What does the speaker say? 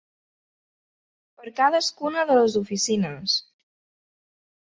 Per cadascuna de les oficines.